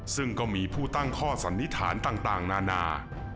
ซึ่งก็มีผู้ตั้งข้อสันนิษฐานต่างนานา